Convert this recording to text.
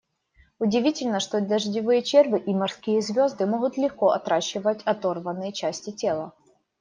Удивительно, что дождевые черви и морские звезды могут легко отращивать оторванные части тела.